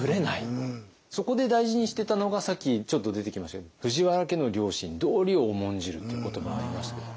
そこで大事にしてたのがさっきちょっと出てきましたけども藤原家の良心道理を重んじるっていう言葉がありましたけれども。